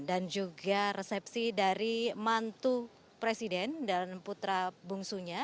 dan juga resepsi dari mantu presiden dan putra bungsunya